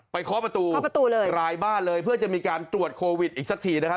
เคาะประตูเคาะประตูเลยรายบ้านเลยเพื่อจะมีการตรวจโควิดอีกสักทีนะครับ